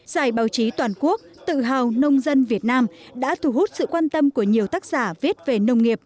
giải báo chí toàn quốc tự hào nông dân việt nam đã thu hút sự quan tâm của nhiều tác giả viết về nông nghiệp